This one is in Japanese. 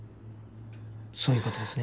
そういう事ですね？